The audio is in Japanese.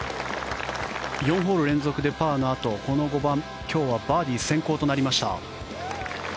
４ホール連続でパーのあとこの５番今日はバーディー先行となりました。